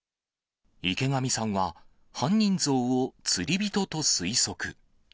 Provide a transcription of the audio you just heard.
池上さんは、犯人像を釣り人と推測。